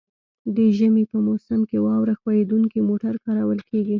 د ژمي په موسم کې واوره ښوییدونکي موټر کارول کیږي